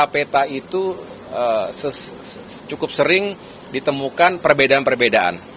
peta itu cukup sering ditemukan perbedaan perbedaan